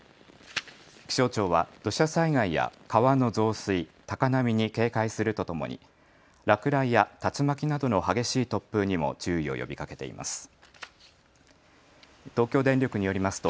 気象庁は土砂災害や川の増水、高波に警戒するとともに落雷や竜巻などの激しい突風にも注意を呼びかけています。